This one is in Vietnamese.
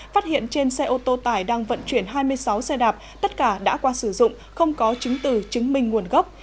phát hiện trên xe ô tô tải đang vận chuyển hai mươi sáu xe đạp tất cả đã qua sử dụng không có chứng từ chứng minh nguồn gốc